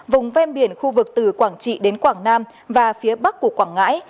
vùng ven biển khu vực từ quảng trị đến quảng nam và phía bắc của quảng ngãi